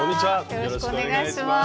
よろしくお願いします。